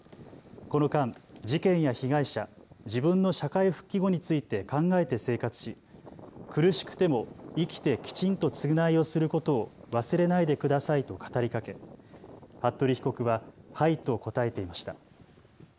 この間、事件や被害者、自分の社会復帰後について考えて生活し苦しくても生きてきちんと償いをすることを忘れないでくださいと語りかけ服部被告ははいと答えていました。